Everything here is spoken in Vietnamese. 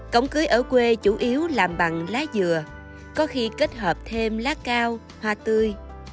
cổng cưới ở quê chủ yếu làm bằng lá dừa có khi kết hợp thêm lá cao hoa tươi